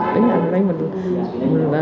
đến nhà mình lấy mình